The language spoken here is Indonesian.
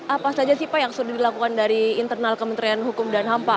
apa saja sih pak yang sudah dilakukan dari internal kementerian hukum dan ham pak